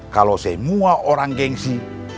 kalau semua orang gengsi